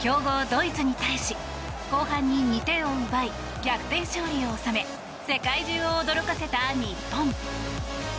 ドイツに対し後半に２点を奪い逆転勝利を収め世界中を驚かせた日本。